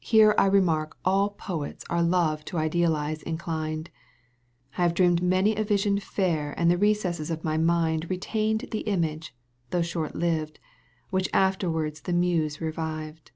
Here I remark all poets are Love to idealize inclined ; I have dreamed many a vision fair And the recesses of my mind Betained the image, though short lived. Which afterwards the muse revived.